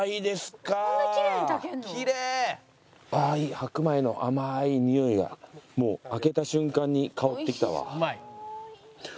白米の甘いにおいがもう開けた瞬間に香ってきたわ。